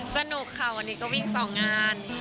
สนุกค่ะวันนี้ก็วิ่ง๒งาน